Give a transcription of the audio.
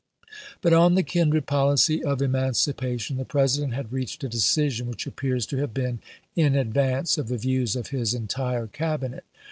But on the kindred policy of emancipation the President had reached a decision which appears to have been in advance of the views of his entire Cabinet.